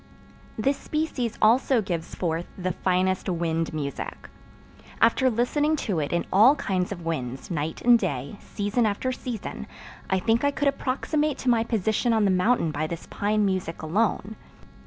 This species also gives forth the finest wind music. After listening to it in all kinds of winds, night and day, season after season, I think I could approximate to my position on the mountain by this pine music alone.